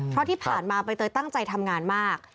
เพราะที่ผ่านมาใบเตยตั้งใจทำงานมาก